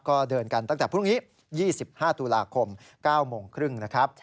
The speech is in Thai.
ก็เดินกันตั้งแต่พรุ่งนี้๒๕ตุลาคม๙โมงครึ่งนะครับ